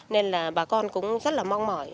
nên là bà con cũng rất là mong mỏi